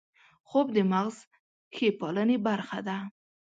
خوب د مغز ښې پالنې برخه ده